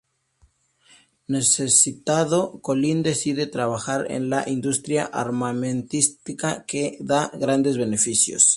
Necesitado, Colin decide trabajar en la industria armamentística, que da grandes beneficios.